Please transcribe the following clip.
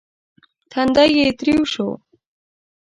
تندی يې تريو شو.